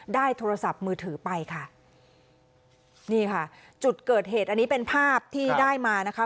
โทรศัพท์มือถือไปค่ะนี่ค่ะจุดเกิดเหตุอันนี้เป็นภาพที่ได้มานะคะ